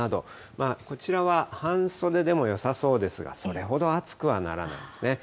こちらは半袖でもよさそうですが、それほど暑くはならないんですね。